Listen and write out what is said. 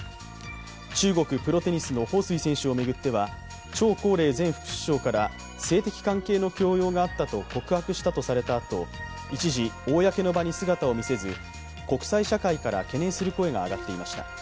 中国・プロテニスの彭帥選手を巡っては、張高麗前副首相から性的関係の強要があったと告白したとされたあと一時、公の場に姿を見せず国際社会から懸念する声が上がっていました。